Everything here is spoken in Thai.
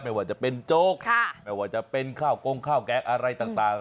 ไม่ว่าจะเป็นโจ๊กไม่ว่าจะเป็นข้าวกงข้าวแกงอะไรต่าง